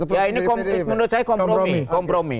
ya ini menurut saya kompromi kompromi